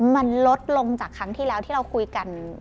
มันลดลงจากครั้งที่แล้วที่เราคุยกัน